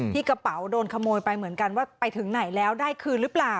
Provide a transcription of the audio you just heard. กระเป๋าโดนขโมยไปเหมือนกันว่าไปถึงไหนแล้วได้คืนหรือเปล่า